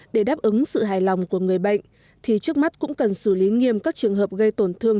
để đáp ứng sự hài lòng của người bệnh thì trước mắt cũng cần xử lý nghiêm các trường hợp gây tổn thương